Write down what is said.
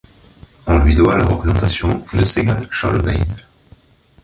On lui doit la représentation de Segal–Shale–Weil.